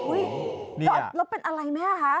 อุ๊ยแล้วเป็นอะไรมั้ยคะ